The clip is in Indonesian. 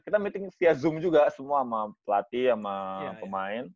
kita meeting via zoom juga semua sama pelatih sama pemain